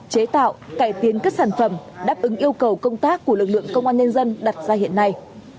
chế tạo cải tiến các sản phẩm đáp ứng yêu cầu công tác của lực lượng công an nhân dân đặt ra hiện nay